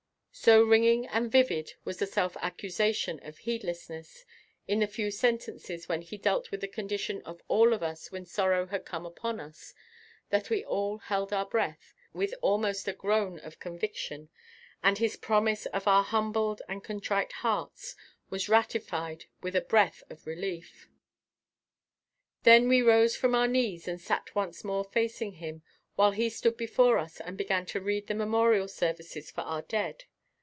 So ringing and vivid was the self accusation of heedlessness in the few sentences when he dealt with the condition of all of us when sorrow had come upon us, that we all held our breath with almost a groan of conviction, and his promise of our humbled and contrite hearts was ratified with a breath of relief. Then we rose from our knees and sat once more facing him while he stood before us and began to read the memorial services for our dead.